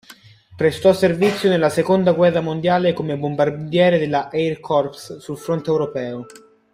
Prestò servizio nella seconda guerra mondiale come bombardiere della Air Corps sul fronte europeo.